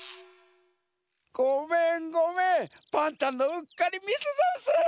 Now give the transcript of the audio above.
ごめんごめんパンタンのうっかりミスざんす。